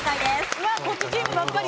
うわっこっちチームばっかり。